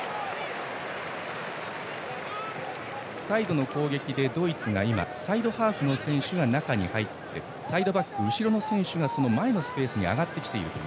サイドの攻撃でドイツが今サイドハーフの選手が中に入ってサイドバック、後ろの選手が前のスペースに上がってきている。